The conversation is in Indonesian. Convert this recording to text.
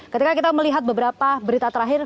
ketika kita melihat beberapa berita terakhir